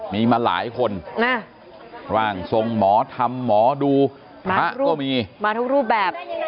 มีมาหลายคนร่างทรงหมอธรรมหมอดูพระก็มีมาทุกรูปแบบ